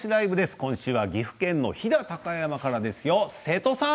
今週は岐阜県の飛騨高山からです、瀬戸さん！